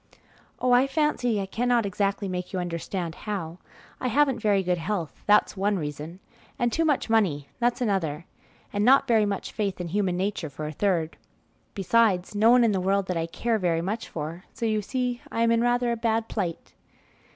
"Oh, I fancy I cannot exactly make you understand how. I haven't very good health, that's one reason; and too much money, that's another; and not very much faith in human nature, for a third; besides, no one in the world that I care very much for; so you see I am in rather a bad plight."